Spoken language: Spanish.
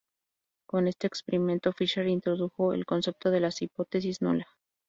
Con este experimento, Fisher introdujo el concepto de la hipótesis nula.